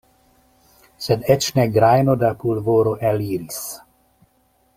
Sed eĉ ne grajno da pulvoro eliris.